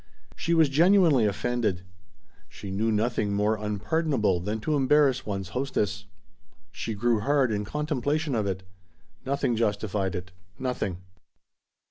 She was genuinely offended. She knew nothing more unpardonable than to embarrass one's hostess. She grew hard in contemplation of it. Nothing justified it; nothing.